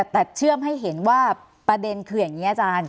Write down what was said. แต่เชื่อมให้เห็นว่าประเด็นคืออย่างนี้อาจารย์